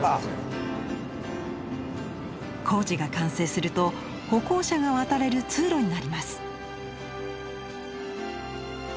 工事が完成すると歩行者が渡れる通路になります。